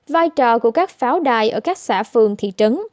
vai trò của các pháo đài ở các xã phường thị trấn